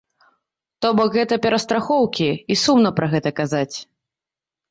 То бок гэта перастрахоўкі і сумна пра гэта казаць.